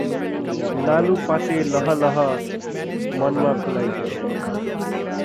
लालुपाते लहलह, मनमा फुलाइदेऊ ।